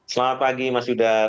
selamat pagi mas yuda terima kasih